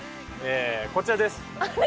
こちらです。